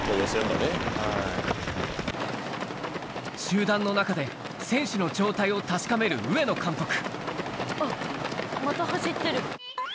・集団の中で選手の状態を確かめる上野監督